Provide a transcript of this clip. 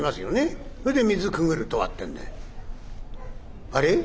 それで『水くぐるとは』ってんで。あれっ？